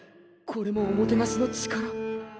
これもおもてナシの力？